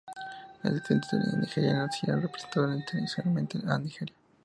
Es descendiente de nigerianos y ha representado internacionalmente a Nigeria.